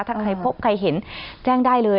ถ้าใครพบใครเห็นแจ้งได้เลย